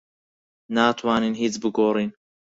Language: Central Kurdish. ناتوانین هیچ بگۆڕین.